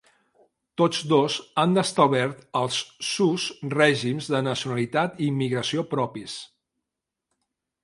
Tots dos han establert els sus règims de nacionalitat i immigració propis.